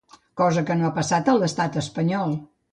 Cosa que no ha passat a l’estat espanyol.